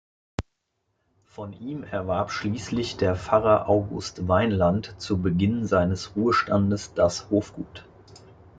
Von ihm erwarb schließlich der Pfarrer August Weinland zu Beginn seines Ruhestandes das Hofgut.